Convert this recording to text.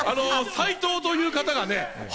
斉藤という方がね。